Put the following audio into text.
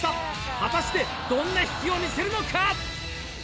果たしてどんな引きを見せるのか？